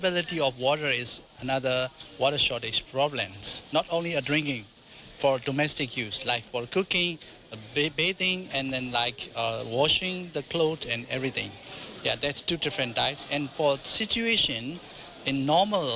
อีกสิทธิ์ก็คือในเวลาที่เกิดขึ้น